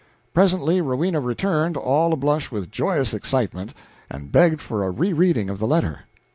Presently Rowena returned, all ablush with joyous excitement, and begged for a re reading of the letter.